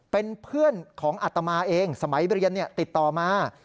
เป็นเพื่อนของอัตมาเองสมัยเรียนติดต่อมา